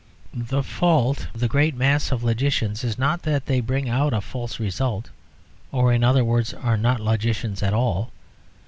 The fault of the great mass of logicians is not that they bring out a false result, or, in other words, are not logicians at all.